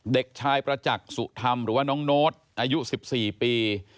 เด็กชายประจักษ์สุธรรมหรือว่าน้องโน้ตอายุ๑๔ปี